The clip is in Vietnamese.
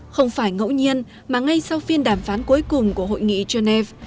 không phải ngẫu nhiên mà ngay sau phiên đàm phán cuối cùng của hội nghị genève